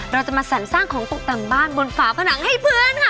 เราจะมาสรรสร้างของตกแต่งบ้านบนฝาผนังให้เพื่อนค่ะ